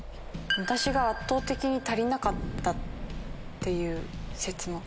私が圧倒的に足りなかったっていう説も。